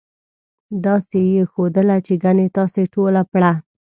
داسې یې ښودله چې ګنې تاسې ټوله پړه.